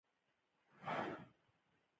موسکی شو چې دغسې کار دې وایست.